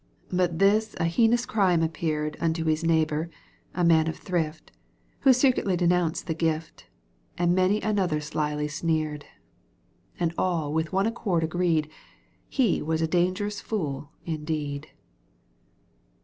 ,^ But this a heinous crime appeared r' tJnto his neighbour, man' of thrift. Who secretly denounced the gift, And many another slily sneered ; And all with one accord agreed. He was a dangerous fool indeed.